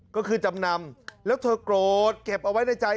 ก็คือจำนำแล้วเธอโกรธเก็บเอาไว้ในใจ